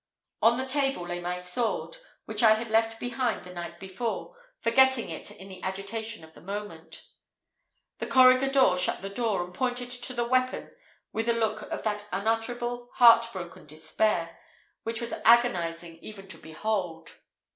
On the table lay my sword, which I had left behind the night before, forgetting it in the agitation of the moment. The corregidor shut the door, and pointed to the weapon with a look of that unutterable, heart broken despair, which was agonising even to behold.